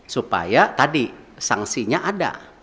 supaya tadi sanksinya ada